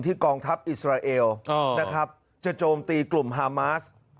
กองทัพอิสราเอลนะครับจะโจมตีกลุ่มฮามาส